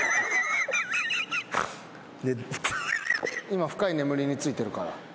今深い眠りについてるから。